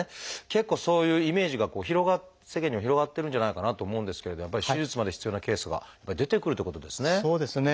結構そういうイメージがこう世間にも広がってるんじゃないかなと思うんですけれどやっぱり手術まで必要なケースが出てくるっていうことですね。